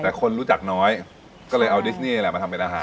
แต่คนรู้จักน้อยก็เลยเอาดิสนี่แหละมาทำเป็นอาหาร